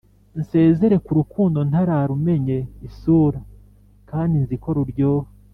Nsezere ku rukundo Ntararumenye isura Kandi nzi ko ruryoha!